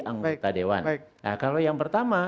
anggota dewan baik nah kalau yang pertama